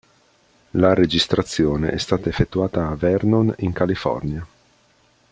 La registrazione è stata effettuata a Vernon in California.